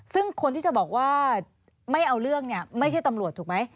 ซึ่งคนที่จะบอกว่าไม่เอาเรื่องเนี่ยไม่ใช่ตำรวจถูกไหม